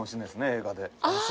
映画で。